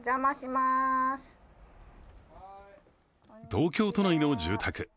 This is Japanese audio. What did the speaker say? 東京都内の住宅。